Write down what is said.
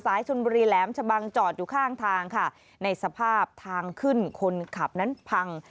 ชนบุรีแหลมชะบังจอดอยู่ข้างทางค่ะในสภาพทางขึ้นคนขับนั้นพัง